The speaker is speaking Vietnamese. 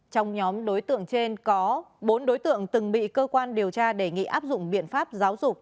trong nhóm đối tượng trên có bốn đối tượng từng bị cơ quan điều tra đề nghị áp dụng biện pháp giáo dục